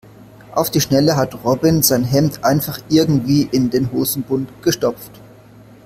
Auf die Schnelle hat Robin sein Hemd einfach irgendwie in den Hosenbund gestopft.